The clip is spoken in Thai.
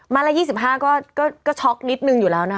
ไม้ละ๒๕บาทก็ช็อกนิดนึงอยู่แล้วนะ